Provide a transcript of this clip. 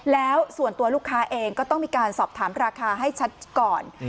แล้วส่วนตัวลูกค้าเองก็ต้องมีการสอบถามราคาให้ชัดก่อน